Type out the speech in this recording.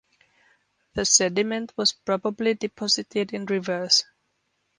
The sediment was probably deposited in rivers.